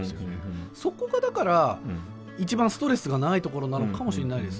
そこがだから一番ストレスがないところなのかもしれないです。